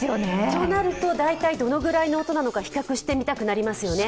となると大体どのぐらいの音なのか比較してみたくなりますよね。